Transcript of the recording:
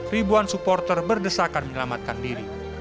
ribuan supporter berdesakan menyelamatkan diri